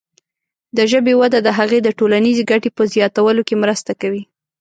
د ژبې وده د هغې د ټولنیزې ګټې په زیاتولو کې مرسته کوي.